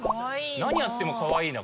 何やってもかわいいな。